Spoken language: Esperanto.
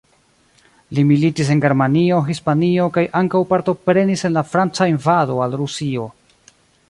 Li militis en Germanio, Hispanio kaj ankaŭ partoprenis en la Franca invado al Rusio.